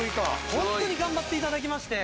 ホントに頑張って頂きまして。